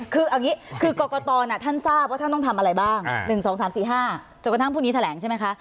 คือกรกฎตอนท่านท่านทราบว่าท่านต้องทำอะไรบ้าง๑๒๓๔๕จนกดังพรุ่งนี้แถลงใช่ไหมคะ